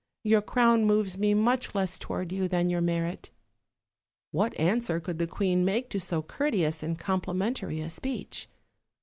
Your crown moves me much less toward you than your merit." What answer could the queen make to so courteous and complimentary a speech?